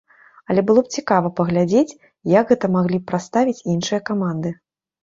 Але было б цікава паглядзець, як гэта маглі б прадставіць іншыя каманды.